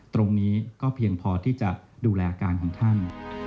ตรงนี้ก็เพียงพอที่จะดูแลอาการของท่าน